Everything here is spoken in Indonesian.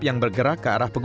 yang bergerak di dalam gunung